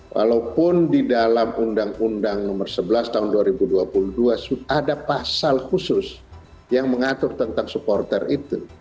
walaupun di dalam undang undang nomor sebelas tahun dua ribu dua puluh dua ada pasal khusus yang mengatur tentang supporter itu